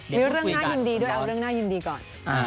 มีเรื่องน่ายินดีด้วยเอาเรื่องน่ายินดีก่อน